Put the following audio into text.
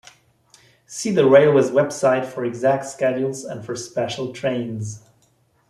See the railway's website for exact schedules and for special trains.